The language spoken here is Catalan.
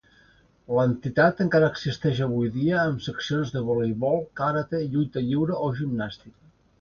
L'entitat encara existeix avui dia amb seccions de voleibol, karate, lluita lliure o gimnàstica.